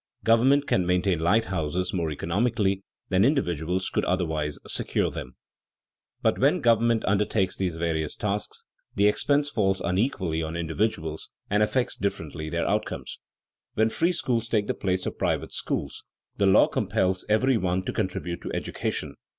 Government can maintain lighthouses more economically than individuals could otherwise secure them. [Sidenote: Apportioning of the cost] But when the government undertakes these various tasks, the expense falls unequally on individuals and affects differently their incomes. When free schools take the place of private schools, the law compels every one to contribute to education.